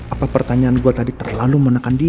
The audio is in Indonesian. apa pertanyaan gue tadi terlalu menekan diri